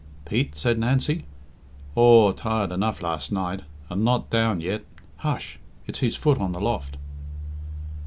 "Pete?" said Nancy. "Aw, tired enough last night, and not down yet.... Hush!... It's his foot on the loft."